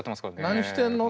何してんの？